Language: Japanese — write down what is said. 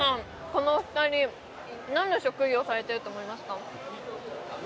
この２人何の職業されてると思いますか？